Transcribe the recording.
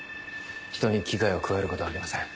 人に危害を加えることはありません。